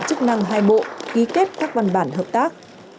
chức năng hai bộ ký kết các văn bản hợp tác